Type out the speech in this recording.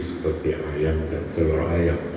seperti ayam dan telur ayam